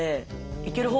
いける方？